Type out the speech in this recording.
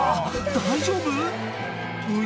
大丈夫⁉運